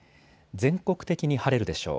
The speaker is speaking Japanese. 全国的に晴れるでしょう。